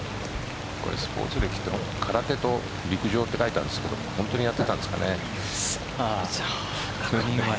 スポーツ歴は空手と陸上って書いてあるんですけど本当にやってたんですかね。